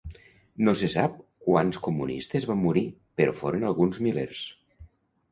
No se sap quants comunistes van morir però foren alguns milers.